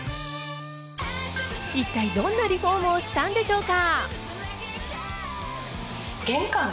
一体どんなリフォームをしたんでしょうか。